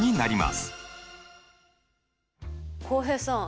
浩平さん